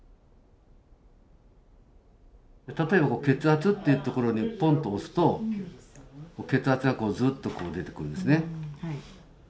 例えば血圧っていう所にポンッと押すと血圧がこうずっと出てくるんですね。